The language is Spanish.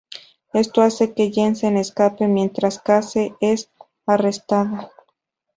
Esto hace que Jensen escape, mientras Case es arrestada.